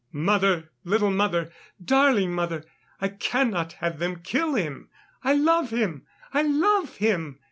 Mother, little mother, darling mother, I cannot have them kill him. I love him! I love him!